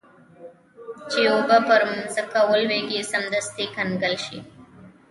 چې اوبه پر مځکه ولویږي سمدستي کنګل شي.